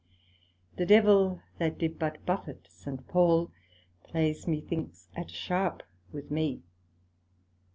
The Devil, that did but buffet St. Paul, plays methinks at sharp with me.